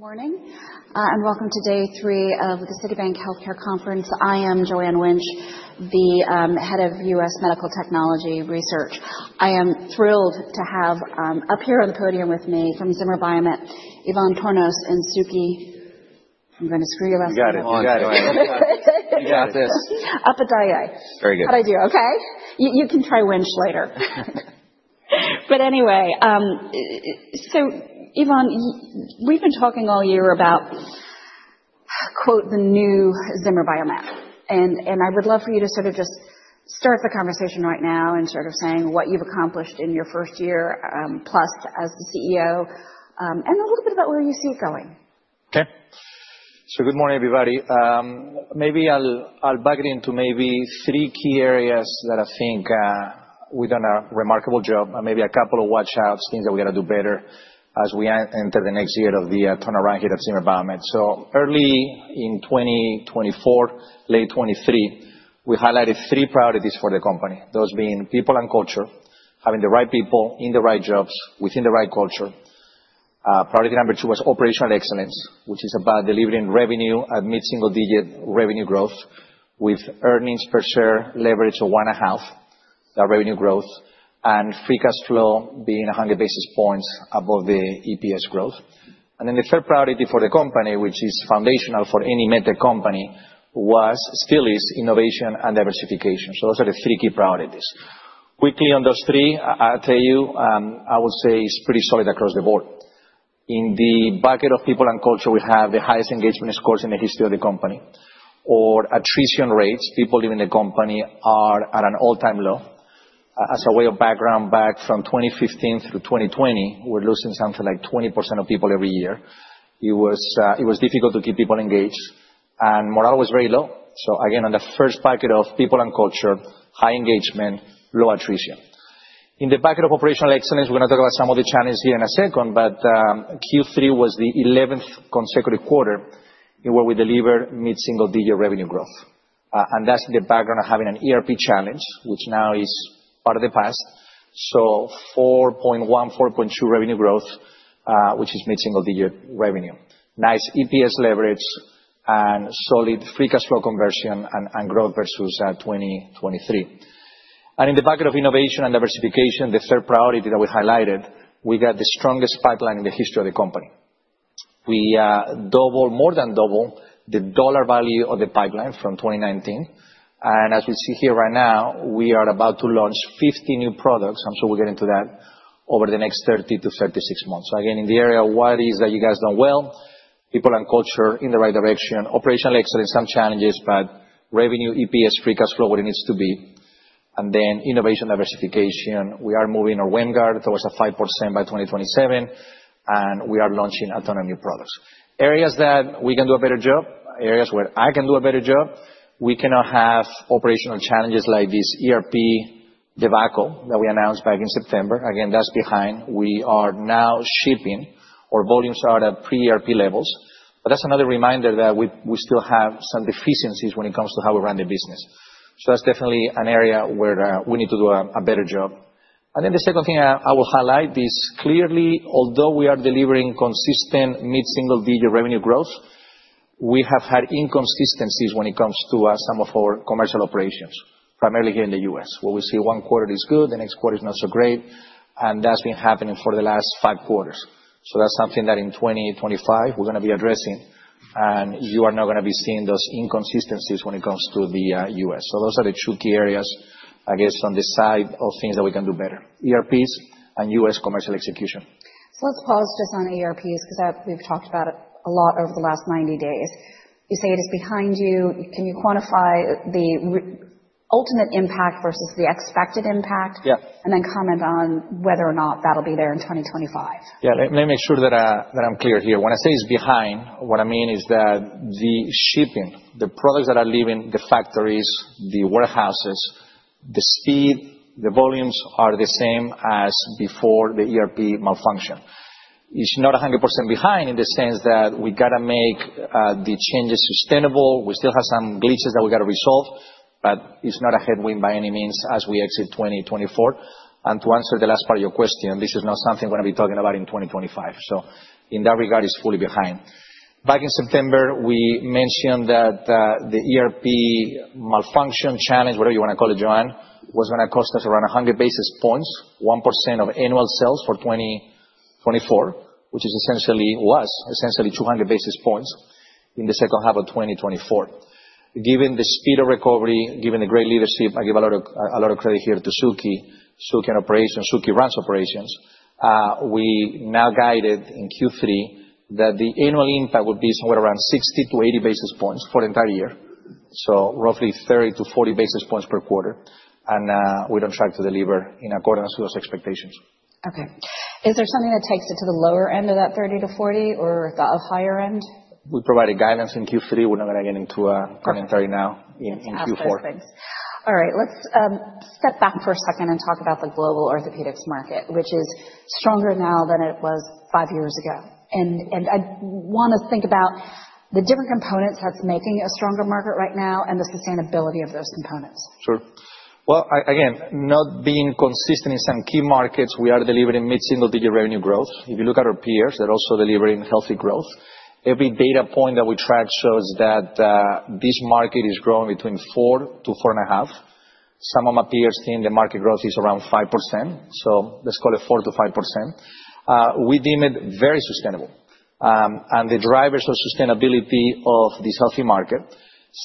Morning, and welcome to Day Three of the Citibank Healthcare Conference. I am Joanne Wuensch, the head of U.S. Medical Technology Research. I am thrilled to have up here on the podium with me from Zimmer Biomet, Ivan Tornos, and Suky. I'm going to screw your last name. You got it. You got it. You got this. Upadhyay. Very good. How do I do? Okay. You can try Wuensch later. But anyway, so Ivan, we've been talking all year about, quote, the new Zimmer Biomet. And I would love for you to sort of just start the conversation right now and sort of saying what you've accomplished in your first year, plus as the CEO, and a little bit about where you see it going. Okay. Good morning, everybody. Maybe I'll dig into three key areas that I think we've done a remarkable job, and maybe a couple of watch-outs, things that we got to do better as we enter the next year of the turnaround here at Zimmer Biomet. Early in 2024, late 2023, we highlighted three priorities for the company, those being people and culture, having the right people in the right jobs within the right culture. Priority number two was operational excellence, which is about delivering revenue at mid-single-digit revenue growth with earnings per share leverage of one and a half, that revenue growth, and free cash flow being 100 basis points above the EPS growth. And then the third priority for the company, which is foundational for any MedTech company, was still is innovation and diversification. Those are the three key priorities. Quickly on those three, I'll tell you, I would say it's pretty solid across the board. In the bucket of people and culture, we have the highest engagement scores in the history of the company. Our attrition rates, people leaving the company are at an all-time low. As a way of background, back from 2015 through 2020, we're losing something like 20% of people every year. It was difficult to keep people engaged, and morale was very low. So again, on the first bucket of people and culture, high engagement, low attrition. In the bucket of operational excellence, we're going to talk about some of the challenges here in a second, but Q3 was the 11th consecutive quarter where we delivered mid-single-digit revenue growth, and that's in the background of having an ERP challenge, which now is part of the past, so 4.1%-4.2% revenue growth, which is mid-single-digit revenue. Nice EPS leverage and solid free cash flow conversion and growth versus 2023. In the bucket of innovation and diversification, the third priority that we highlighted, we got the strongest pipeline in the history of the company. We doubled, more than doubled the dollar value of the pipeline from 2019. As we see here right now, we are about to launch 50 new products. I'm sure we'll get into that over the next 30-36 months. Again, in the area, what is that you guys done well? People and culture in the right direction. Operational excellence, some challenges, but revenue, EPS, free cash flow, what it needs to be. Then innovation, diversification. We are moving our WAMGR towards 5% by 2027, and we are launching a ton of new products. Areas that we can do a better job, areas where I can do a better job. We cannot have operational challenges like this ERP debacle that we announced back in September. Again, that's behind. We are now shipping our volumes out at pre-ERP levels. But that's another reminder that we still have some deficiencies when it comes to how we run the business. So that's definitely an area where we need to do a better job. And then the second thing I will highlight is clearly, although we are delivering consistent mid-single-digit revenue growth, we have had inconsistencies when it comes to some of our commercial operations, primarily here in the U.S., where we see one quarter is good, the next quarter is not so great, and that's been happening for the last five quarters. So that's something that in 2025 we're going to be addressing, and you are not going to be seeing those inconsistencies when it comes to the U.S. So those are the two key areas, I guess, on the side of things that we can do better: ERPs and U.S. commercial execution. So let's pause just on ERPs because we've talked about it a lot over the last 90 days. You say it is behind you. Can you quantify the ultimate impact versus the expected impact? Yeah. Comment on whether or not that'll be there in 2025. Yeah, let me make sure that I'm clear here. When I say it's behind, what I mean is that the shipping, the products that are leaving the factories, the warehouses, the speed, the volumes are the same as before the ERP malfunction. It's not 100% behind in the sense that we got to make the changes sustainable. We still have some glitches that we got to resolve, but it's not a headwind by any means as we exit 2024. And to answer the last part of your question, this is not something we're going to be talking about in 2025. So in that regard, it's fully behind. Back in September, we mentioned that the ERP malfunction challenge, whatever you want to call it, Joanne, was going to cost us around 100 basis points, 1% of annual sales for 2024, which essentially was 200 basis points in the second half of 2024. Given the speed of recovery, given the great leadership, I give a lot of credit here to Suky and operations. Suky runs operations. We now guided in Q3 that the annual impact would be somewhere around 60 to 80 basis points for the entire year. So roughly 30 to 40 basis points per quarter. And we don't try to deliver in accordance with those expectations. Okay. Is there something that takes it to the lower end of that 30-40 or the higher end? We provided guidance in Q3. We're not going to get into commentary now in Q4. Absolutely. All right. Let's step back for a second and talk about the global orthopedics market, which is stronger now than it was five years ago, and I want to think about the different components that's making a stronger market right now and the sustainability of those components. Sure. Well, again, not being consistent in some key markets, we are delivering mid-single-digit revenue growth. If you look at our peers, they're also delivering healthy growth. Every data point that we track shows that this market is growing between four to four and a half. Some of my peers think the market growth is around 5%. So let's call it 4%-5%. We deem it very sustainable. And the drivers of sustainability of this healthy market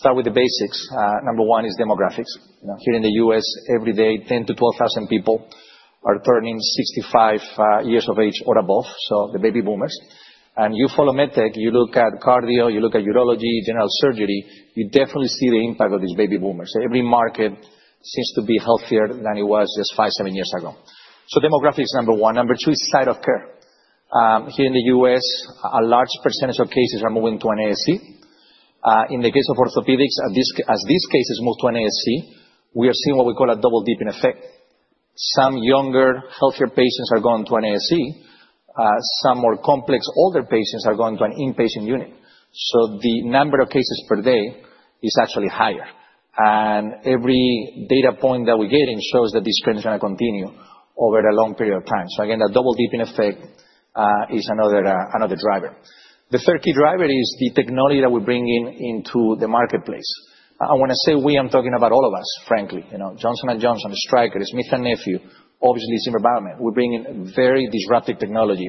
start with the basics. Number one is demographics. Here in the U.S., every day, 10,000-12,000 people are turning 65 years of age or above, so the baby boomers. And you follow MedTech, you look at cardio, you look at urology, general surgery, you definitely see the impact of these baby boomers. Every market seems to be healthier than it was just five, seven years ago. So demographics is number one. Number two is site of care. Here in the U.S., a large percentage of cases are moving to an ASC. In the case of orthopedics, as these cases move to an ASC, we are seeing what we call a double dipping effect. Some younger, healthier patients are going to an ASC. Some more complex older patients are going to an inpatient unit. So the number of cases per day is actually higher, and every data point that we're getting shows that this trend is going to continue over a long period of time, so again, that double dipping effect is another driver. The third key driver is the technology that we're bringing into the marketplace. I want to say we, I'm talking about all of us, frankly. Johnson & Johnson, Stryker, Smith & Nephew, obviously Zimmer Biomet. We're bringing very disruptive technology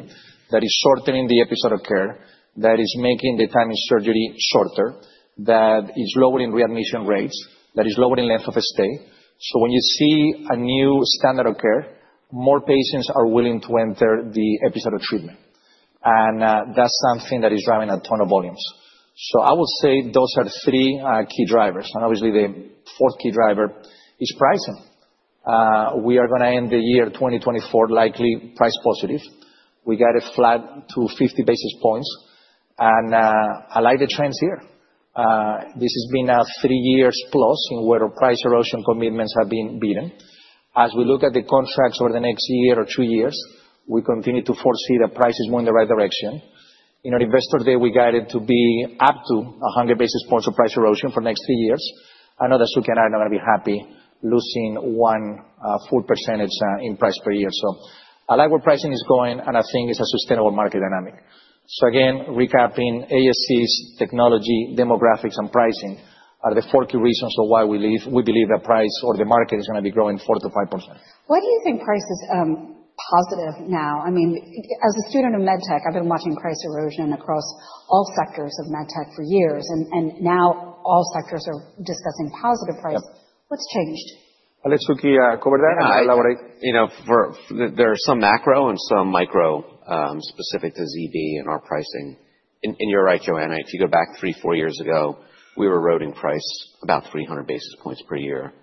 that is shortening the episode of care, that is making the time in surgery shorter, that is lowering readmission rates, that is lowering length of stay, so when you see a new standard of care, more patients are willing to enter the episode of treatment, and that's something that is driving a ton of volumes, so I will say those are three key drivers, and obviously, the fourth key driver is pricing. We are going to end the year 2024 likely price positive. We got it flat to 50 basis points, and I like the trends here. This has been three years plus in where price erosion commitments have been beaten. As we look at the contracts over the next year or two years, we continue to foresee that price is moving in the right direction. In our investor day, we got it to be up to 100 basis points of price erosion for the next three years. I know that Suky and I are not going to be happy losing one full percentage in price per year. So I like where pricing is going, and I think it's a sustainable market dynamic. So again, recapping, ASCs, technology, demographics, and pricing are the four key reasons of why we believe that price or the market is going to be growing 4%-5%. Why do you think price is positive now? I mean, as a student of MedTech, I've been watching price erosion across all sectors of MedTech for years, and now all sectors are discussing positive price. What's changed? Let Suky cover that and I'll elaborate. You know, there are some macro and some micro specific to ZB and our pricing. And you're right, Joanne. If you go back three, four years ago, we were eroding price about 300 basis points per year.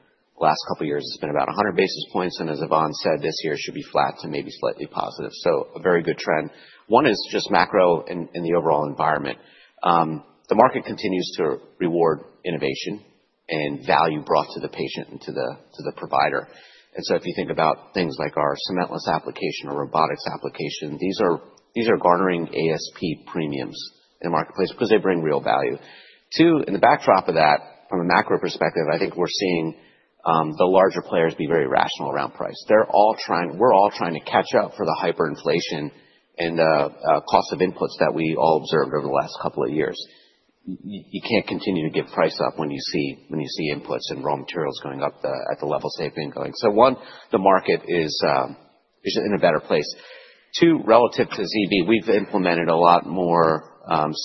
Last couple of years, it's been about 100 basis points. And as Ivan said, this year should be flat to maybe slightly positive. So a very good trend. One is just macro in the overall environment. The market continues to reward innovation and value brought to the patient and to the provider. And so if you think about things like our cementless application or robotics application, these are garnering ASP premiums in the marketplace because they bring real value. Two, in the backdrop of that, from a macro perspective, I think we're seeing the larger players be very rational around price. We're all trying to catch up for the hyperinflation and cost of inputs that we all observed over the last couple of years. You can't continue to give price up when you see inputs and raw materials going up at the levels they've been going. So, one, the market is in a better place. Two, relative to ZB, we've implemented a lot more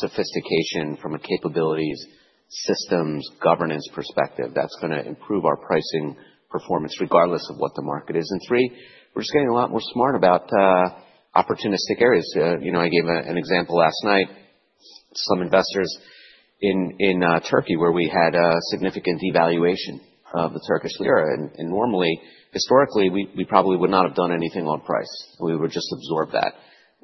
sophistication from a capabilities, systems, governance perspective. That's going to improve our pricing performance regardless of what the market is. And three, we're just getting a lot more smart about opportunistic areas. You know, I gave an example last night. In some instances in Turkey where we had a significant devaluation of the Turkish lira. And normally, historically, we probably would not have done anything on price. We would just absorb that.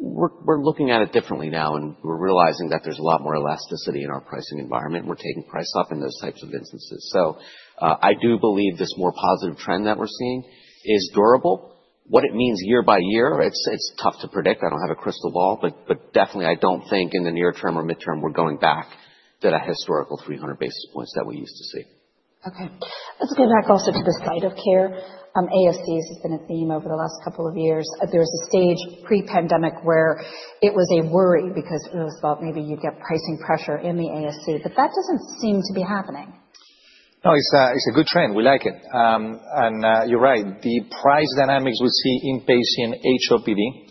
We're looking at it differently now, and we're realizing that there's a lot more elasticity in our pricing environment. We're taking price up in those types of instances. So I do believe this more positive trend that we're seeing is durable. What it means year by year, it's tough to predict. I don't have a crystal ball, but definitely, I don't think in the near term or midterm we're going back to that historical 300 basis points that we used to see. Okay. Let's go back also to the site of care. ASCs has been a theme over the last couple of years. There was a stage pre-pandemic where it was a worry because it was thought maybe you'd get pricing pressure in the ASC, but that doesn't seem to be happening. No, it's a good trend. We like it. And you're right. The price dynamics we see in inpatient HOPD,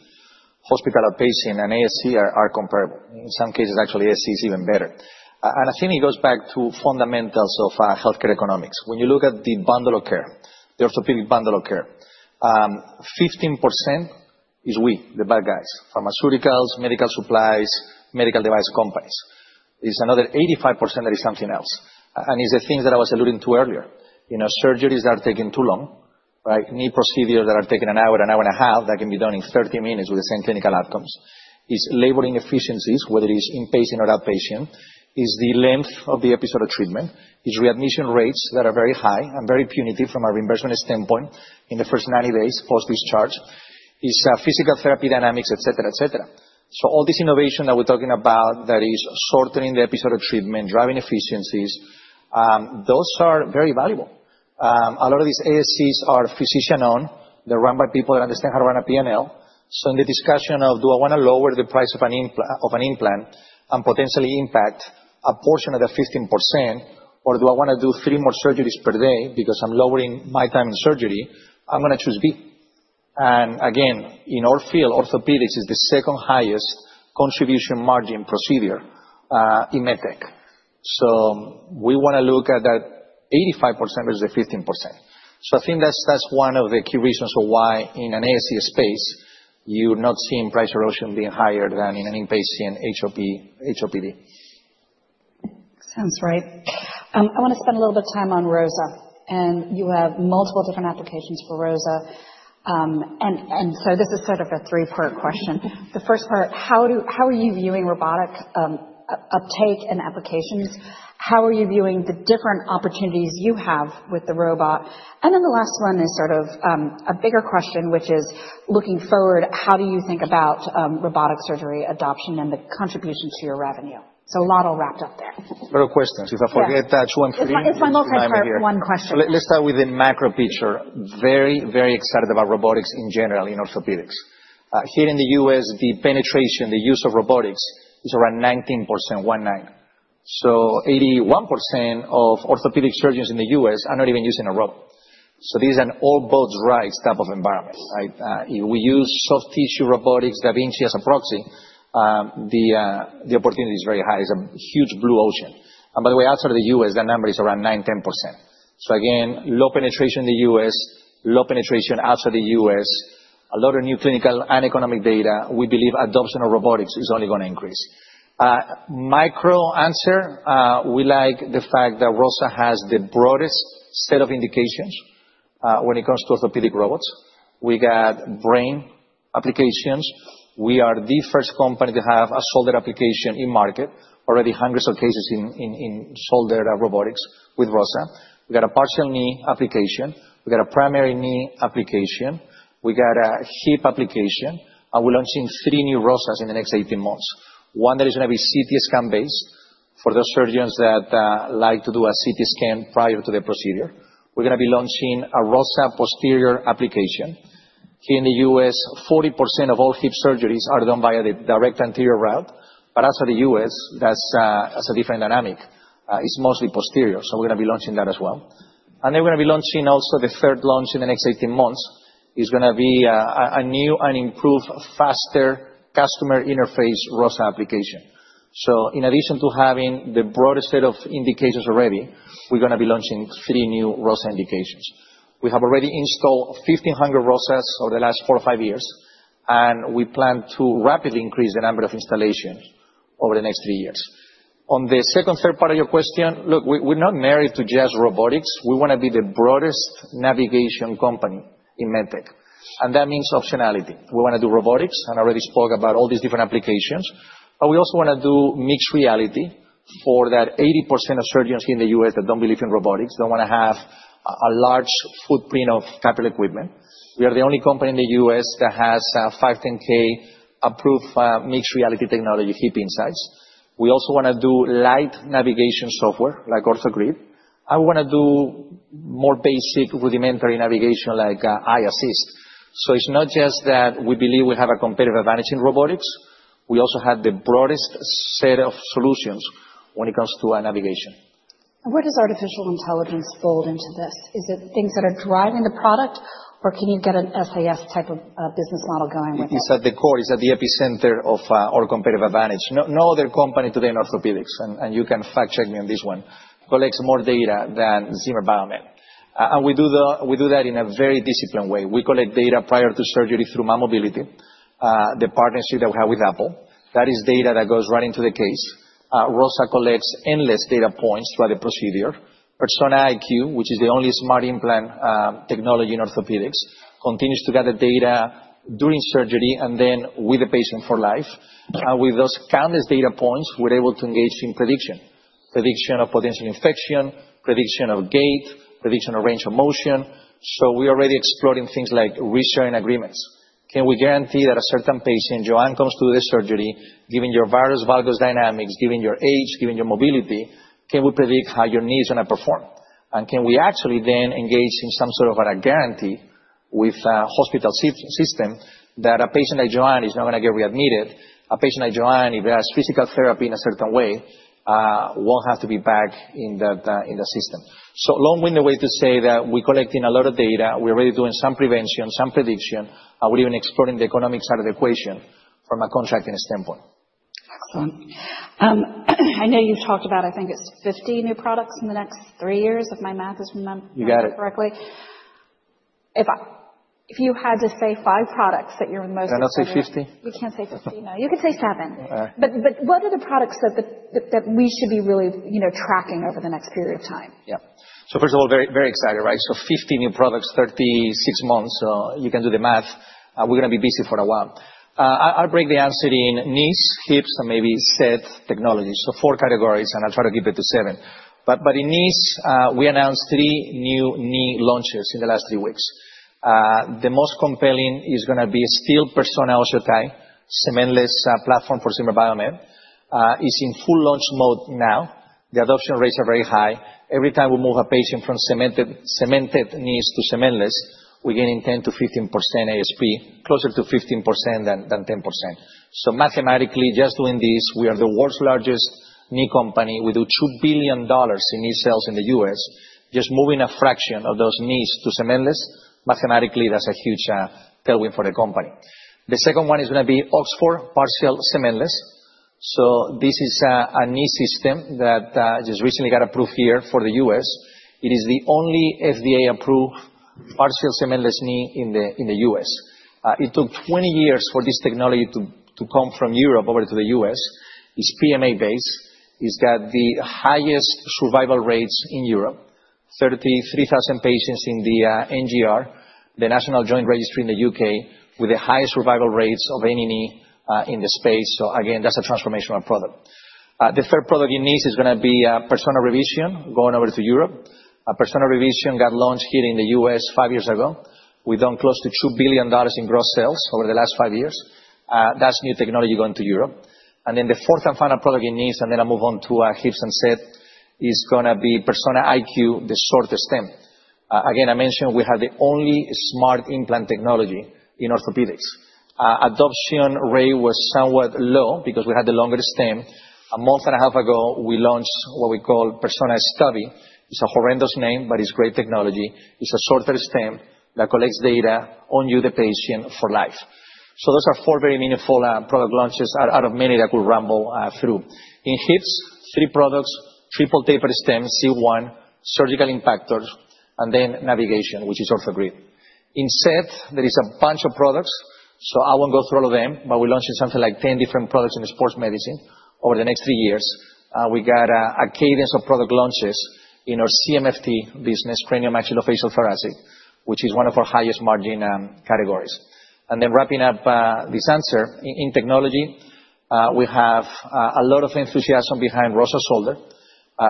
hospital outpatient, and ASC are comparable. In some cases, actually, ASC is even better. And I think it goes back to fundamentals of healthcare economics. When you look at the bundle of care, the orthopedic bundle of care, 15% is we, the bad guys. Pharmaceuticals, medical supplies, medical device companies. It's another 85% that is something else. And it's the things that I was alluding to earlier. You know, surgeries that are taking too long, right? Knee procedures that are taking an hour, an hour and a half that can be done in 30 minutes with the same clinical outcomes. It's labor efficiencies, whether it is inpatient or outpatient. It's the length of the episode of treatment. It's readmission rates that are very high and very punitive from a reimbursement standpoint in the first 90 days post-discharge. It's physical therapy dynamics, et cetera, et cetera. So all this innovation that we're talking about that is shortening the episode of treatment, driving efficiencies, those are very valuable. A lot of these ASCs are physician-owned. They're run by people that understand how to run a PNL. So in the discussion of, do I want to lower the price of an implant and potentially impact a portion of that 15%, or do I want to do three more surgeries per day because I'm lowering my time in surgery, I'm going to choose B. And again, in our field, orthopedics is the second highest contribution margin procedure in MedTech. So we want to look at that 85% versus the 15%. So I think that's one of the key reasons for why in an ASC space, you're not seeing price erosion being higher than in an inpatient HOPD. Sounds right. I want to spend a little bit of time on ROSA, and you have multiple different applications for ROSA, and so this is sort of a three-part question. The first part, how are you viewing robotic uptake and applications? How are you viewing the different opportunities you have with the robot, and then the last one is sort of a bigger question, which is looking forward, how do you think about robotic surgery adoption and the contribution to your revenue, so a lot all wrapped up there. A lot of questions. If I forget that, Joanne, can you? It's my multimeter, one question. Let's start with the macro picture. Very, very excited about robotics in general in orthopedics. Here in the U.S., the penetration, the use of robotics is around 19%. So 81% of orthopedic surgeons in the U.S. are not even using a robot. So this is an all boats rise type of environment. If we use soft tissue robotics, Da Vinci as a proxy, the opportunity is very high. It's a huge blue ocean. And by the way, outside of the U.S., that number is around nine-10%. So again, low penetration in the U.S., low penetration outside the U.S. A lot of new clinical and economic data. We believe adoption of robotics is only going to increase. Micro answer, we like the fact that ROSA has the broadest SET of indications when it comes to orthopedic robots. We got brain applications. We are the first company to have a shoulder application in market. Already hundreds of cases in shoulder robotics with ROSA. We got a partial knee application. We got a primary knee application. We got a hip application. And we're launching three new ROSAs in the next 18 months. One that is going to be CT scan-based for those surgeons that like to do a CT scan prior to the procedure. We're going to be launching a ROSA posterior application. Here in the U.S., 40% of all hip surgeries are done via the direct anterior route. But outside the U.S., that's a different dynamic. It's mostly posterior. So we're going to be launching that as well. And then we're going to be launching also the third launch in the next 18 months. It's going to be a new and improved, faster customer interface ROSA application. So in addition to having the broader set of indications already, we're going to be launching three new ROSA indications. We have already installed 1,500 ROSAs over the last four or five years. And we plan to rapidly increase the number of installations over the next three years. On the second, third part of your question, look, we're not married to just robotics. We want to be the broadest navigation company in MedTech. And that means optionality. We want to do robotics and already spoke about all these different applications. But we also want to do mixed reality for that 80% of surgeons here in the U.S. that don't believe in robotics, don't want to have a large footprint of capital equipment. We are the only company in the U.S. that has 510(k) approved mixed reality technology HipInsight. We also want to do light navigation software like OrthoGrid. And we want to do more basic rudimentary navigation like iASSIST. So it's not just that we believe we have a competitive advantage in robotics. We also have the broadest set of solutions when it comes to navigation. And where does artificial intelligence fold into this? Is it things that are driving the product, or can you get an SAS type of business model going with that? It's at the core. It's at the epicenter of our competitive advantage. No other company today in orthopedics, and you can fact-check me on this one, collects more data than Zimmer Biomet. And we do that in a very disciplined way. We collect data prior to surgery through mymobility, the partnership that we have with Apple. That is data that goes right into the case. ROSA collects endless data points throughout the procedure. Persona IQ, which is the only smart implant technology in orthopedics, continues to get the data during surgery and then with the patient for life. And with those countless data points, we're able to engage in prediction. Prediction of potential infection, prediction of gait, prediction of range of motion. So we're already exploring things like research and agreements. Can we guarantee that a certain patient, Joanne, comes to the surgery, given your various valgus dynamics, given your age, given your mobility, can we predict how your knee is going to perform? And can we actually then engage in some sort of a guarantee with a hospital system that a patient like Joanne is not going to get readmitted? A patient like Joanne, if he has physical therapy in a certain way, won't have to be back in the system. So long-winded way to say that we're collecting a lot of data. We're already doing some prevention, some prediction, and we're even exploring the economic side of the equation from a contracting standpoint. Excellent. I know you've talked about, I think it's 50 new products in the next three years if my math is remembered correctly. You got it. If you had to say five products that you're the most excited about? I'll say 50. You can't say 50, no. You could say seven. But what are the products that we should be really tracking over the next period of time? Yeah. So first of all, very excited, right? So 50 new products, 36 months. So you can do the math. We're going to be busy for a while. I'll break the answer in knees, hips, and maybe set technology. So four categories, and I'll try to keep it to seven. But in knees, we announced three new knee launches in the last three weeks. The most compelling is going to be still Persona OsseoTi, cementless platform for Zimmer Biomet. It's in full launch mode now. The adoption rates are very high. Every time we move a patient from cemented knees to cementless, we gain 10%-15% ASP, closer to 15% than 10%. So mathematically, just doing this, we are the world's largest knee company. We do $2 billion in knee sales in the U.S. Just moving a fraction of those knees to cementless, mathematically, that's a huge tailwind for the company. The second one is going to be Oxford partial cementless, so this is a knee system that just recently got approved here for the U.S. It is the only FDA-approved partial cementless knee in the U.S. It took 20 years for this technology to come from Europe over to the U.S. It's PMA-based. It's got the highest survival rates in Europe, 33,000 patients in the NJR, the National Joint Registry in the U.K., with the highest survival rates of any knee in the space, so again, that's a transformational product. The third product in knees is going to be Persona Revision going over to Europe. Persona Revision got launched here in the U.S. five years ago. We've done close to $2 billion in gross sales over the last five years. That's new technology going to Europe, and then the fourth and final product in knees, and then I'll move on to hips and set, is going to be Persona IQ, the shorter stem. Again, I mentioned we have the only smart implant technology in orthopedics. Adoption rate was somewhat low because we had the longer stem. A month and a half ago, we launched what we call Persona Stubby. It's a horrendous name, but it's great technology. It's a shorter stem that collects data on you, the patient, for life. Those are four very meaningful product launches out of many that will rumble through. In hips, three products: triple tapered stem, C1, surgical impactors, and then navigation, which is OrthoGrid. In set, there is a bunch of products. So I won't go through all of them, but we launched something like 10 different products in sports medicine over the next three years. We got a cadence of product launches in our CMFT business, cranial maxillofacial thoracic, which is one of our highest margin categories. And then wrapping up this answer, in technology, we have a lot of enthusiasm behind ROSA Shoulder.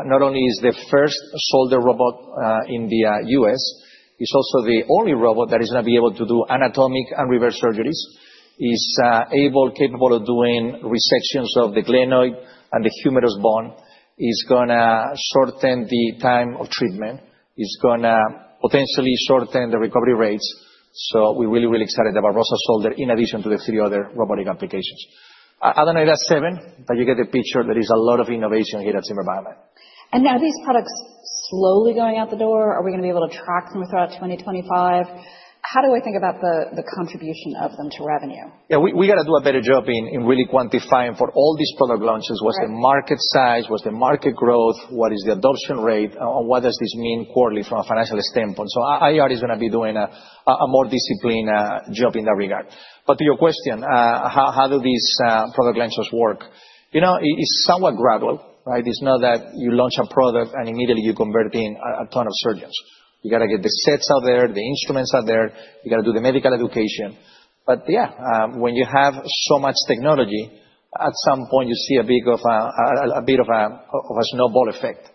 Not only is the first shoulder robot in the U.S., it's also the only robot that is going to be able to do anatomic and reverse surgeries. It's capable of doing resections of the glenoid and the humerus bone. It's going to shorten the time of treatment. It's going to potentially shorten the recovery rates. So we're really, really excited about ROSA Shoulder in addition to the three other robotic applications. I don't know if that's seven, but you get the picture. There is a lot of innovation here at Zimmer Biomet. Now these products slowly going out the door. Are we going to be able to track them throughout 2025? How do I think about the contribution of them to revenue? Yeah, we got to do a better job in really quantifying for all these product launches. What's the market size? What's the market growth? What is the adoption rate? And what does this mean quarterly from a financial standpoint? So IR is going to be doing a more disciplined job in that regard. But to your question, how do these product launches work? You know, it's somewhat gradual, right? It's not that you launch a product and immediately you convert in a ton of surgeons. You got to get the sets out there, the instruments out there. You got to do the medical education. But yeah, when you have so much technology, at some point, you see a bit of a snowball effect.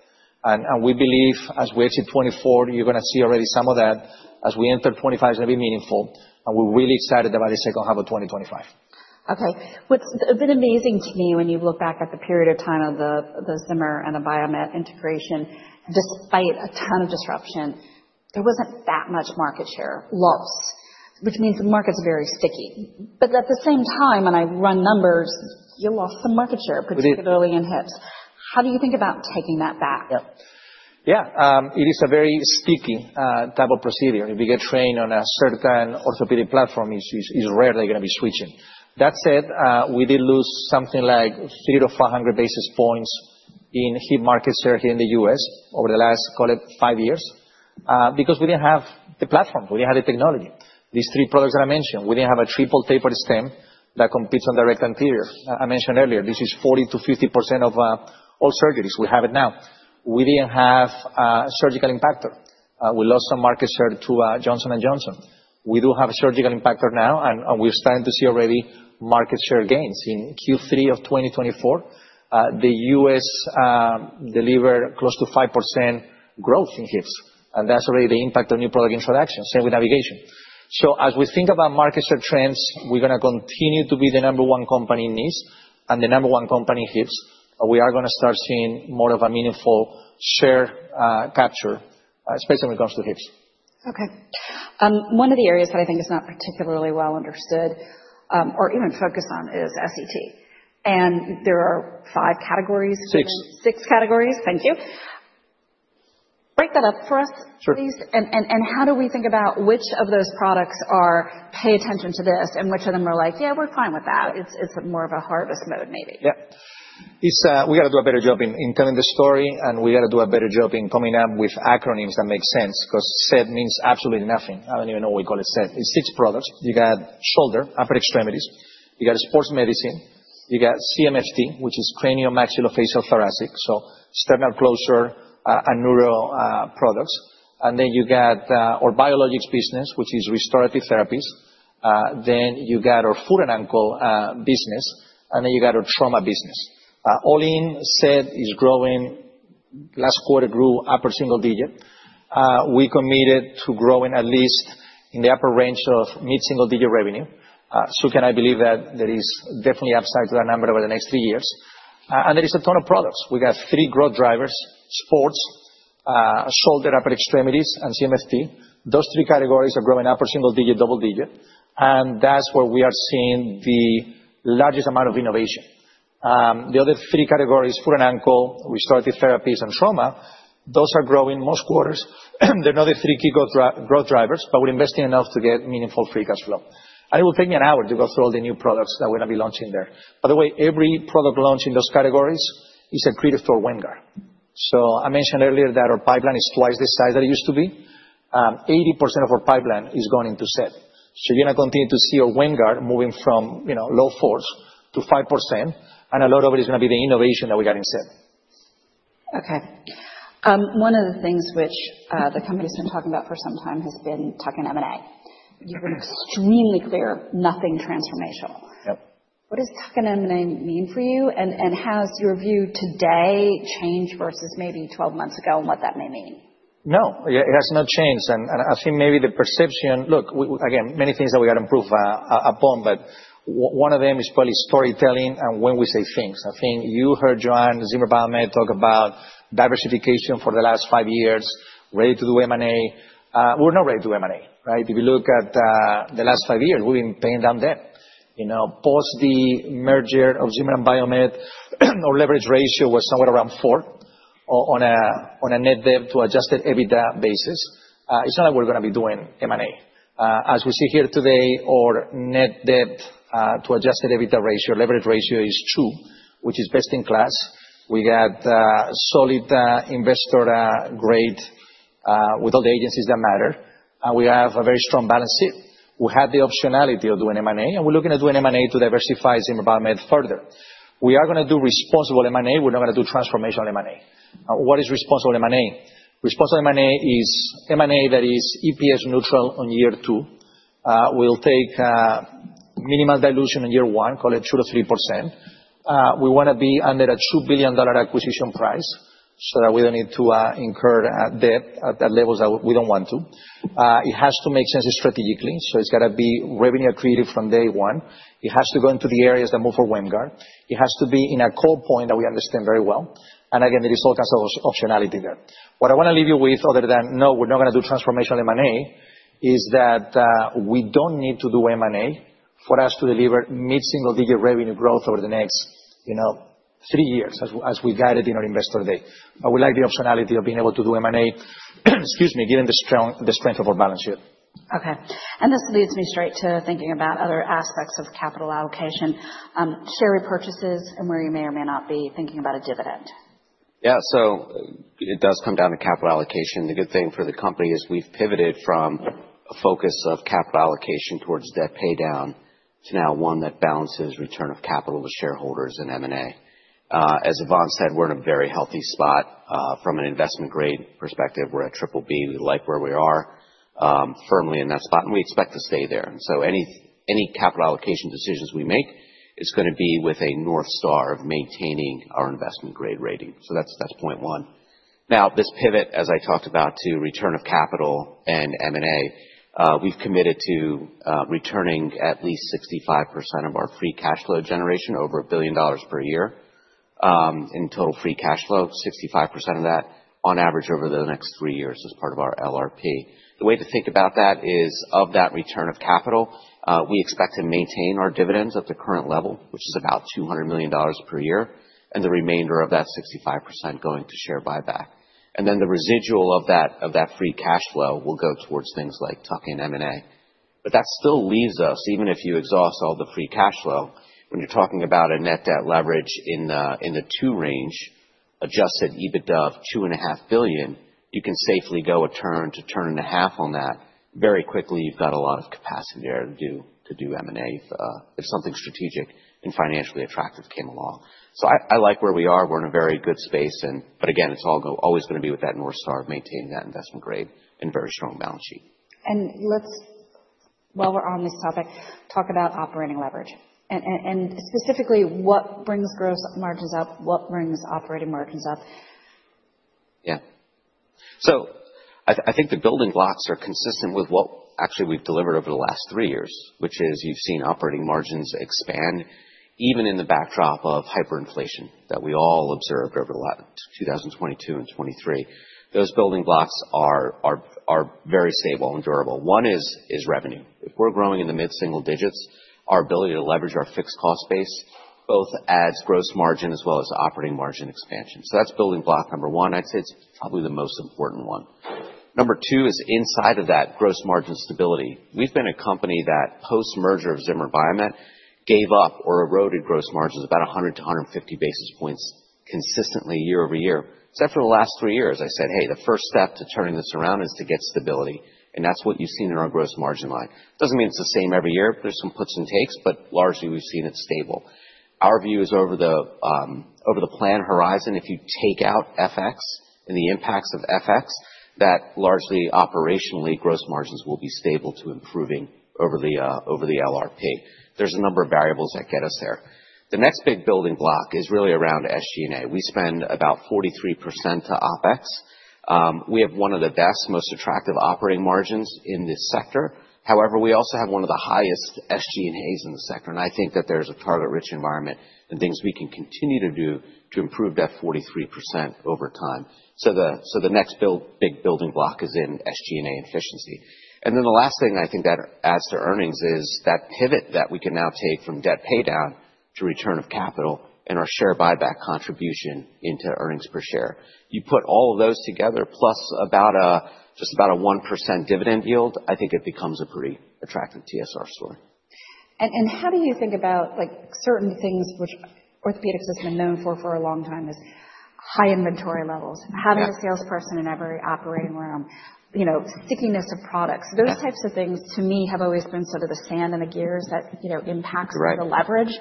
And we believe as we exit 2024, you're going to see already some of that. As we enter 2025, it's going to be meaningful. We're really excited about the second half of 2025. Okay. What's been amazing to me when you look back at the period of time of the Zimmer and the Biomet integration, despite a ton of disruption, there wasn't that much market share lost, which means the market's very sticky. But at the same time, when I run numbers, you lost some market share, particularly in hips. How do you think about taking that back? Yeah. It is a very sticky type of procedure. If you get trained on a certain orthopedic platform, it's rare they're going to be switching. That said, we did lose something like 300-500 basis points in hip market share here in the U.S. over the last, call it, five years because we didn't have the platform. We didn't have the technology. These three products that I mentioned, we didn't have a triple tapered stem that competes on direct anterior. I mentioned earlier. This is 40-50% of all surgeries. We have it now. We didn't have a surgical impactor. We lost some market share to Johnson & Johnson. We do have a surgical impactor now, and we're starting to see already market share gains in Q3 of 2024. The U.S. delivered close to 5% growth in hips, and that's already the impact of new product introduction. Same with navigation. So as we think about market share trends, we're going to continue to be the number one company in knees and the number one company in hips. We are going to start seeing more of a meaningful share capture, especially when it comes to hips. Okay. One of the areas that I think is not particularly well understood or even focused on is SET, and there are five categories. Six. Six categories. Thank you. Break that up for us, please. And how do we think about which of those products pay attention to this and which of them are like, yeah, we're fine with that? It's more of a harvest mode maybe. Yeah. We got to do a better job in telling the story, and we got to do a better job in coming up with acronyms that make sense because SET. means absolutely nothing. I don't even know why we call it SET. It's six products. You got shoulder, upper extremities. You got sports medicine. You got CMFT, which is cranial maxillofacial thoracic, so sternal closure and neuro products. And then you got our biologics business, which is restorative therapies. Then you got our foot and ankle business, and then you got our trauma business. All in SET. is growing. Last quarter grew upper single digit. We committed to growing at least in the upper range of mid-single digit revenue. So, can I believe that there is definitely upside to that number over the next three years, and there is a ton of products. We got three growth drivers: sports, shoulder, upper extremities, and CMFT. Those three categories are growing upper single digit, double digit. And that's where we are seeing the largest amount of innovation. The other three categories, foot and ankle, restorative therapies, and trauma, those are growing most quarters. They're not the three key growth drivers, but we're investing enough to get meaningful free cash flow. And it will take me an hour to go through all the new products that we're going to be launching there. By the way, every product launch in those categories is accretive to our WAMGR. So I mentioned earlier that our pipeline is twice the size that it used to be. 80% of our pipeline is going into set. So you're going to continue to see our WAMGR moving from low forties to 50%. And a lot of it is going to be the innovation that we got in SET. Okay. One of the things which the company's been talking about for some time has been tuck-in M&A. You've been extremely clear, nothing transformational. What does tuck-in M&A mean for you? And has your view today changed versus maybe 12 months ago and what that may mean? No. It has not changed. And I think maybe the perception, look, again, many things that we got to improve upon, but one of them is probably storytelling and when we say things. I think you heard Joanne, Zimmer Biomet, talk about diversification for the last five years, ready to do M&A. We're not ready to do M&A, right? If you look at the last five years, we've been paying down debt. Post the merger of Zimmer and Biomet, our leverage ratio was somewhere around four on a net debt to adjusted EBITDA basis. It's not like we're going to be doing M&A. As we see here today, our net debt to adjusted EBITDA ratio, leverage ratio is two, which is best in class. We got solid investment grade with all the agencies that matter. And we have a very strong balance sheet. We had the optionality of doing M&A, and we're looking at doing M&A to diversify Zimmer Biomet further. We are going to do responsible M&A. We're not going to do transformational M&A. What is responsible M&A? Responsible M&A is M&A that is EPS neutral on year two. We'll take minimal dilution on year one, call it 2%-3%. We want to be under a $2 billion acquisition price so that we don't need to incur debt at levels that we don't want to. It has to make sense strategically. So it's got to be revenue accretive from day one. It has to go into the areas that move the WAMGR. It has to be in a core point that we understand very well. And again, there is all kinds of optionality there. What I want to leave you with other than, no, we're not going to do transformational M&A is that we don't need to do M&A for us to deliver mid-single digit revenue growth over the next three years as we guide it in our Investor Day. But we like the optionality of being able to do M&A, excuse me, given the strength of our balance sheet. Okay, and this leads me straight to thinking about other aspects of capital allocation, share repurchases, and where you may or may not be thinking about a dividend. Yeah. So it does come down to capital allocation. The good thing for the company is we've pivoted from a focus of capital allocation towards debt pay down to now one that balances return of capital to shareholders and M&A. As Ivan said, we're in a very healthy spot from an investment grade perspective. We're at triple B. We like where we are firmly in that spot, and we expect to stay there. And so any capital allocation decisions we make is going to be with a North Star of maintaining our investment grade rating. So that's point one. Now, this pivot, as I talked about, to return of capital and M&A, we've committed to returning at least 65% of our free cash flow generation over $1 billion per year in total free cash flow, 65% of that on average over the next three years as part of our LRP. The way to think about that is of that return of capital, we expect to maintain our dividends at the current level, which is about $200 million per year, and the remainder of that 65% going to share buyback, and then the residual of that free cash flow will go towards things like tuck and M&A. But that still leaves us, even if you exhaust all the free cash flow, when you're talking about a net debt leverage in the two range, adjusted EBITDA of $2.5 billion, you can safely go a turn to turn and a half on that. Very quickly, you've got a lot of capacity there to do M&A if something strategic and financially attractive came along. So I like where we are. We're in a very good space. But again, it's always going to be with that North Star of maintaining that investment grade and very strong balance sheet. Let's, while we're on this topic, talk about operating leverage and specifically what brings gross margins up, what brings operating margins up. Yeah. So I think the building blocks are consistent with what actually we've delivered over the last three years, which is you've seen operating margins expand even in the backdrop of hyperinflation that we all observed over 2022 and 2023. Those building blocks are very stable and durable. One is revenue. If we're growing in the mid-single digits, our ability to leverage our fixed cost base both adds gross margin as well as operating margin expansion. So that's building block number one. I'd say it's probably the most important one. Number two is inside of that gross margin stability. We've been a company that post-merger of Zimmer Biomet gave up or eroded gross margins about 100-150 basis points consistently year over year. Except for the last three years, I said, hey, the first step to turning this around is to get stability. And that's what you've seen in our gross margin line. Doesn't mean it's the same every year. There's some puts and takes, but largely we've seen it stable. Our view is over the planned horizon, if you take out FX and the impacts of FX, that largely operationally gross margins will be stable to improving over the LRP. There's a number of variables that get us there. The next big building block is really around SG&A. We spend about 43% to OPEX. We have one of the best, most attractive operating margins in this sector. However, we also have one of the highest SG&As in the sector. And I think that there's a target-rich environment and things we can continue to do to improve that 43% over time. So the next big building block is in SG&A efficiency. And then the last thing I think that adds to earnings is that pivot that we can now take from debt pay down to return of capital and our share buyback contribution into earnings per share. You put all of those together, plus just about a 1% dividend yield. I think it becomes a pretty attractive TSR story. How do you think about certain things which orthopedics has been known for a long time, is high inventory levels, having a salesperson in every operating room, stickiness of products. Those types of things to me have always been sort of the sand in the gears that impacts the leverage.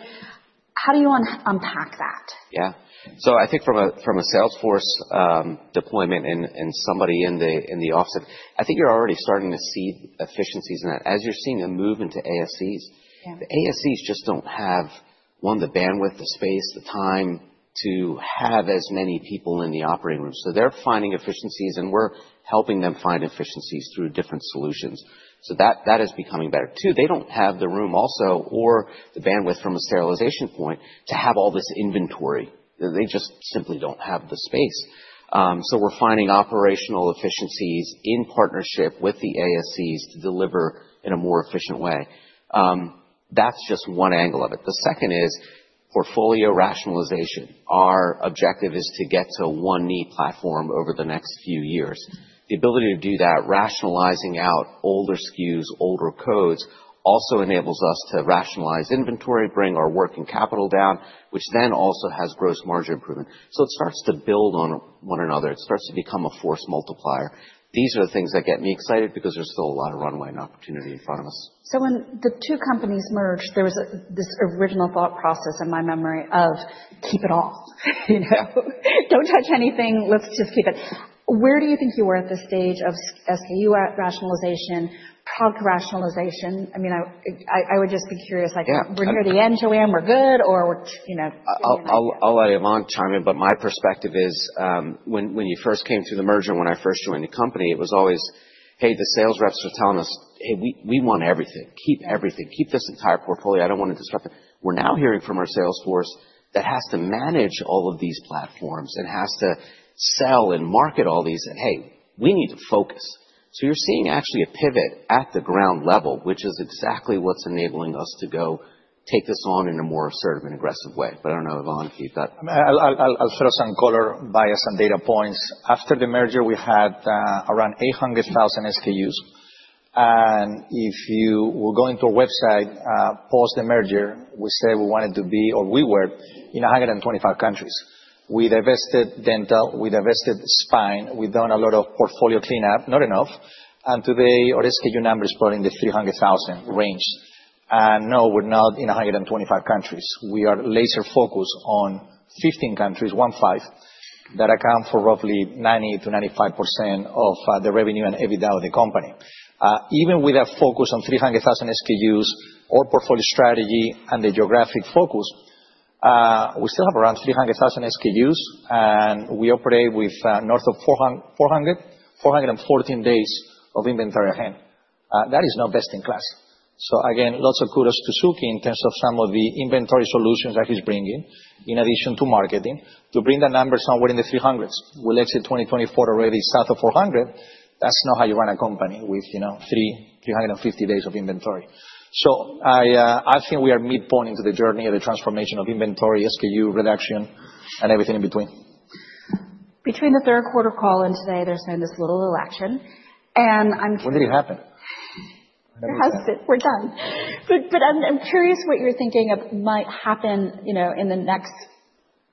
How do you unpack that? Yeah. So I think from a Salesforce deployment and somebody in the office, I think you're already starting to see efficiencies in that as you're seeing a move into ASCs. The ASCs just don't have, one, the bandwidth, the space, the time to have as many people in the operating room. So they're finding efficiencies, and we're helping them find efficiencies through different solutions. So that is becoming better. Two, they don't have the room also or the bandwidth from a sterilization point to have all this inventory. They just simply don't have the space. So we're finding operational efficiencies in partnership with the ASCs to deliver in a more efficient way. That's just one angle of it. The second is portfolio rationalization. Our objective is to get to a one-knee platform over the next few years. The ability to do that, rationalizing out older SKUs, older codes, also enables us to rationalize inventory, bring our working capital down, which then also has gross margin improvement. It starts to build on one another. It starts to become a force multiplier. These are the things that get me excited because there's still a lot of runway and opportunity in front of us. So when the two companies merged, there was this original thought process in my memory of keep it all. Don't touch anything. Let's just keep it. Where do you think you were at this stage of SKU rationalization, product rationalization? I mean, I would just be curious. We're near the end, Joanne. We're good, or we're. I'll let Yvonne chime in, but my perspective is when you first came through the merger and when I first joined the company, it was always, hey, the sales reps are telling us, hey, we want everything. Keep everything. Keep this entire portfolio. I don't want to disrupt it. We're now hearing from our sales force that has to manage all of these platforms and has to sell and market all these that, hey, we need to focus. So you're seeing actually a pivot at the ground level, which is exactly what's enabling us to go take this on in a more assertive and aggressive way. But I don't know, Yvonne, if you've got. I'll throw some color bias and data points. After the merger, we had around 800,000 SKUs. And if you were going to our website post the merger, we said we wanted to be, or we were, in 125 countries. We divested dental. We divested spine. We've done a lot of portfolio cleanup, not enough. And today, our SKU number is probably in the 300,000 range. And no, we're not in 125 countries. We are laser-focused on 15 countries, one-five, that account for roughly 90%-95% of the revenue and EBITDA of the company. Even with a focus on 300,000 SKUs, our portfolio strategy, and the geographic focus, we still have around 300,000 SKUs, and we operate with north of 414 days of inventory ahead. That is not best in class. So again, lots of kudos to Suky in terms of some of the inventory solutions that he's bringing in addition to marketing to bring the numbers somewhere in the 300s. We'll exit 2024 already south of 400. That's not how you run a company with 350 days of inventory. So I think we are midpoint into the journey of the transformation of inventory, SKU reduction, and everything in between. Between the third quarter call and today, there's been this little election. And I'm curious. When did it happen? We're done. But I'm curious what you're thinking might happen in the next,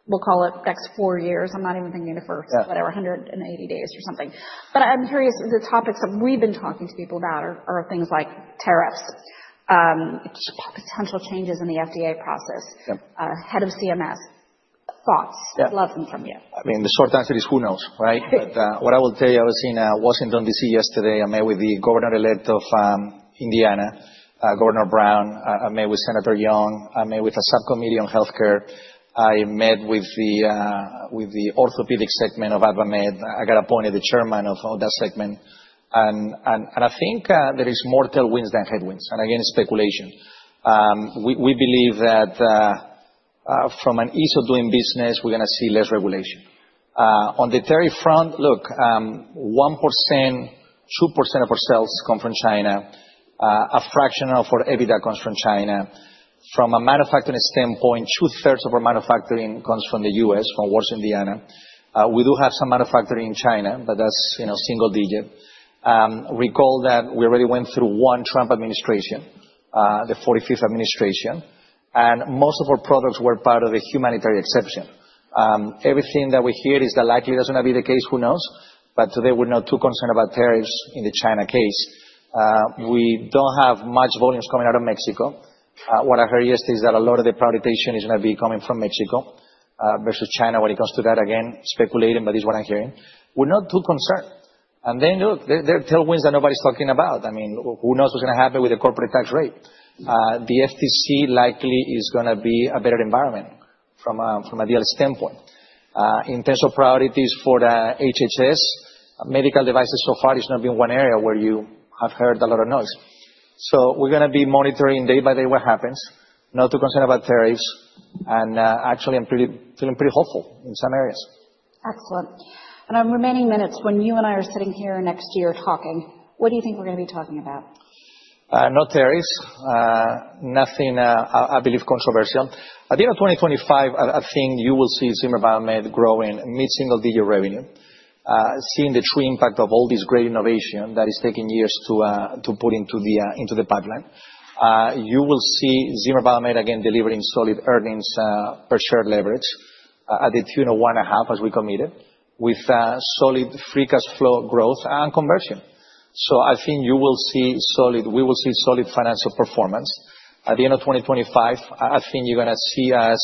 we'll call it, next four years. I'm not even thinking of whatever, 180 days or something. But I'm curious, the topics that we've been talking to people about are things like tariffs, potential changes in the FDA process. Head of CMS, thoughts? Love them from you. I mean, the short answer is who knows, right? But what I will tell you, I was in Washington, D.C. yesterday. I met with the governor-elect of Indiana, Governor Braun. I met with Senator Young. I met with a subcommittee on healthcare. I met with the orthopedic segment of AdvaMed. I got appointed the chairman of that segment, and I think there are more tailwinds than headwinds, and again, speculation. We believe that from an ease of doing business, we're going to see less regulation. On the tariff front, look, 1%, 2% of our sales come from China. A fraction of our EBITDA comes from China. From a manufacturing standpoint, two-thirds of our manufacturing comes from the U.S., from Warsaw, Indiana. We do have some manufacturing in China, but that's single digit. Recall that we already went through one Trump administration, the 45th administration. And most of our products were part of the humanitarian exception. Everything that we hear is that likely that's going to be the case, who knows? But today, we're not too concerned about tariffs in the China case. We don't have much volumes coming out of Mexico. What I heard yesterday is that a lot of the prioritization is going to be coming from Mexico versus China when it comes to that. Again, speculating, but this is what I'm hearing. We're not too concerned. And then look, there are tailwinds that nobody's talking about. I mean, who knows what's going to happen with the corporate tax rate? The FTC likely is going to be a better environment from a deal standpoint. In terms of priorities for HHS, medical devices so far has not been one area where you have heard a lot of noise. So we're going to be monitoring day by day what happens, not too concerned about tariffs. And actually, I'm feeling pretty hopeful in some areas. Excellent. And on remaining minutes, when you and I are sitting here next year talking, what do you think we're going to be talking about? No tariffs. Nothing, I believe, controversial. At the end of 2025, I think you will see Zimmer Biomet growing mid-single digit revenue, seeing the true impact of all this great innovation that is taking years to put into the pipeline. You will see Zimmer Biomet again delivering solid earnings per share leverage at the tune of one and a half as we committed, with solid free cash flow growth and conversion. So I think you will see solid, we will see solid financial performance. At the end of 2025, I think you're going to see us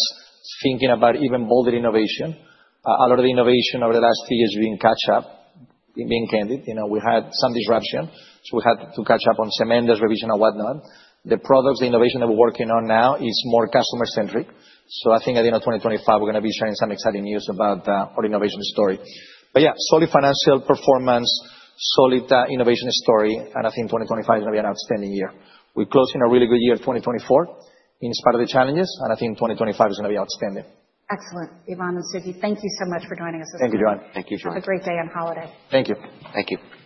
thinking about even bolder innovation. A lot of the innovation over the last three years has been catch-up, being candid. We had some disruption, so we had to catch up on cement, there's revision and whatnot. The products, the innovation that we're working on now is more customer-centric. So I think at the end of 2025, we're going to be sharing some exciting news about our innovation story. But yeah, solid financial performance, solid innovation story, and I think 2025 is going to be an outstanding year. We're closing a really good year 2024 in spite of the challenges, and I think 2025 is going to be outstanding. Excellent. Yvonne and Suky, thank you so much for joining us this morning. Thank you, Joanne. Thank you, Joanne. Have a great day and holiday. Thank you. Thank you.